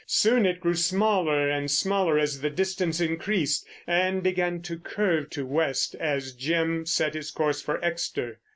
Soon it grew smaller and smaller as the distance increased, and began to curve to West as Jim set his course for Exeter.